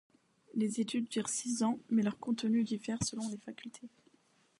Les études durent six ans mais leur contenu diffère donc selon les Facultés.